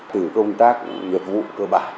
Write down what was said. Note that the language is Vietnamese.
từ công tác nghiệp vụ cờ bạc